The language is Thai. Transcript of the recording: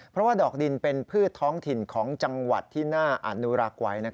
เพราะว่าดอกดินเป็นพืชท้องถิ่นของจังหวัดที่น่าอนุรักษ์ไว้